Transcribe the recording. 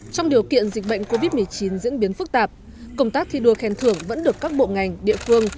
trong điều kiện dịch bệnh covid một mươi chín diễn biến phức tạp công tác thi đua khen thưởng vẫn được các bộ ngành địa phương